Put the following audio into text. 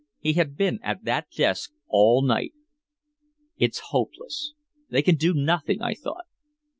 He had been at that desk all night. "It's hopeless. They can do nothing," I thought.